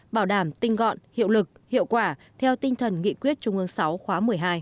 bảo đảm tinh gọn hiệu lực hiệu quả theo tinh thần nghị quyết trung ương sáu khóa một mươi hai